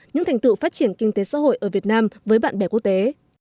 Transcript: những thành tựu phát triển kinh tế xã hội ở việt nam với bạn bè quốc tế